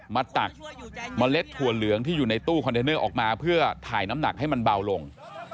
ตักเมล็ดถั่วเหลืองที่อยู่ในตู้คอนเทนเนอร์ออกมาเพื่อถ่ายน้ำหนักให้มันเบาลง